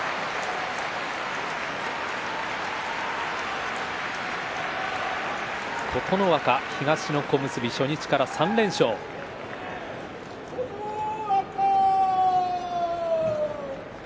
拍手琴ノ若、東の小結初日から３連勝です。